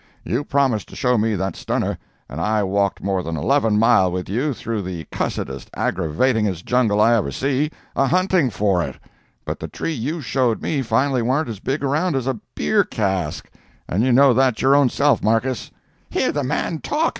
You promised to show me that stunner, and I walked more than eleven mile with you through the cussedest aggravatingest jungle I ever see, a hunting for it; but the tree you showed me finally warn't as big around as a beer cask, and you know that your own self, Markiss." "Hear the man talk!